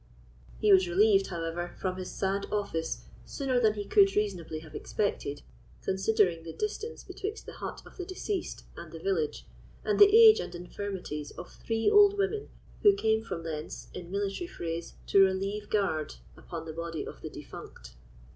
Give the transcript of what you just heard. He was relieved, however, from his sad office sooner that he could reasonably have expected, considering the distance betwixt the hut of the deceased and the village, and the age and infirmities of three old women who came from thence, in military phrase, to relieve guard upon the body of the defunct.